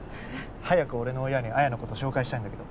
早く俺の親に彩のこと紹介したいんだけど。